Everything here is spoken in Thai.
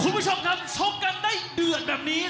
คุณผู้ชมครับชกกันได้เดือดแบบนี้